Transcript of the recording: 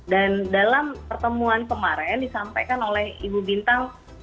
dan dalam pertemuan kemarin disampaikan oleh ibu bintang